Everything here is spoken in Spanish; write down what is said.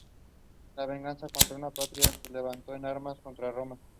Por venganza contra su patria los levantó en armas contra Roma.